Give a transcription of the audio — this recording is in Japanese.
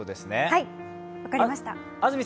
はい、分かりました。